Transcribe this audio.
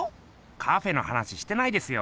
カフェの話してないですよ。